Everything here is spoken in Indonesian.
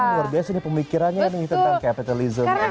luar biasa nih pemikirannya nih tentang capitalism